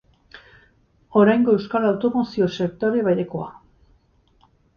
Oraingo euskal automozio-sektore berekoa.